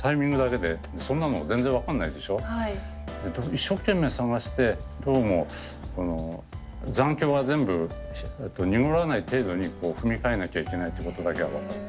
一生懸命探してどうもこの残響が全部濁らない程度に踏み替えなきゃいけないってことだけは分かって。